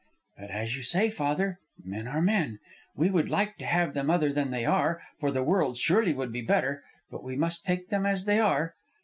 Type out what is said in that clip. "But as you say, father, men are men. We would like to have them other than they are, for the world surely would be better; but we must take them as they are.